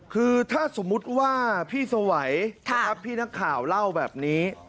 คือถ้าสมมุติว่าพี่สวัยนะครับพี่นักข่าวเล่าแบบนี้